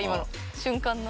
瞬間の。